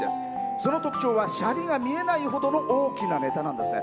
その特徴は、シャリが見えないほどの大きなネタなんですね。